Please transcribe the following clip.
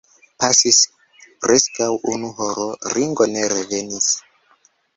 Pasis preskaŭ unu horo; Ringo ne revenis.